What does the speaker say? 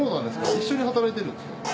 一緒に働いてるんですか？